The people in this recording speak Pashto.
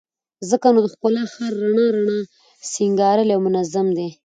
ځکه نو د ښکلا ښار رڼا رڼا، سينګارلى او منظم دى